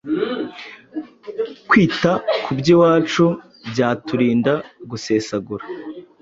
Kwita ku by’iwacu byaturinda gusesagura